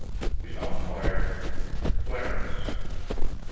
Umpire CLARENCE.